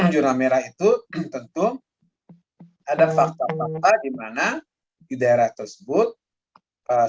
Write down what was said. jona merah itu tentu ada fakta fakta di mana di daerah tersebut sudah terbukti